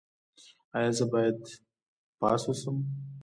ایا زه باید پاس اوسم؟